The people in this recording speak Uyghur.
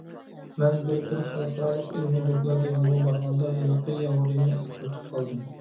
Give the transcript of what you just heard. مەن بىر بىر خەلقئارالىق ئىلمىي دوكلات يىغىنىغا بارغاندا، ھېلىقى يەھۇدىينى ئۇچۇرتۇپ قالدىم.